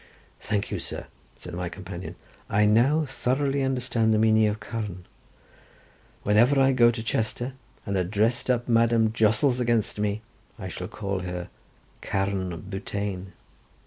"Thank you, sir," said my companion; "I now thoroughly understand the meaning of carn. Whenever I go to Chester, and a dressed up madam jostles against me, I shall call her carn butein.